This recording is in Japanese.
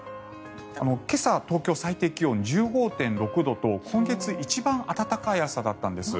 今朝、東京は最低気温１５．６度と今月一番暖かい朝だったんです。